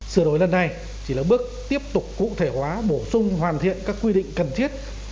sửa đổi lần này chỉ là bước tiếp tục cụ thể hóa bổ sung hoàn thiện các quy định cần thiết